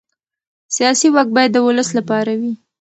سیاسي واک باید د ولس لپاره وي